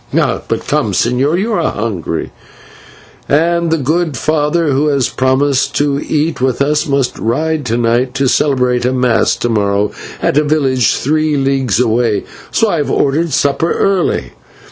"But come, señor, you are hungry, and the good father, who has promised to eat with us, must ride to night to celebrate a mass to morrow at a village three leagues away, so I have ordered supper early.